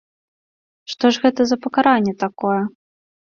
Што ж гэта за пакаранне такое?